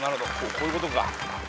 こういうことか。